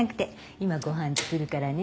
今ご飯作るからね。